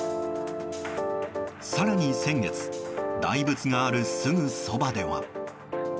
更に、先月大仏があるすぐそばでは。